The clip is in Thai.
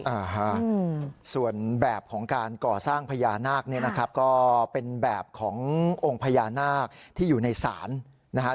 อ่าฮะส่วนแบบของการก่อสร้างพญานาคเนี่ยนะครับก็เป็นแบบขององค์พญานาคที่อยู่ในศาลนะฮะ